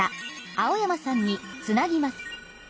青山さんにつなぎます。